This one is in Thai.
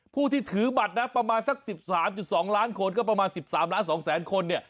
ผู้ที่ถือบัตรนะประมาณสัก๑๓๒ล้านคนก็ประมาณ๑๓ล้าน๒แสนคนเนี่ย